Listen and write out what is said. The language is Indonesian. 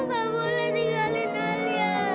ibu nggak boleh tinggalin alia